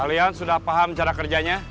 kalian sudah paham cara kerjanya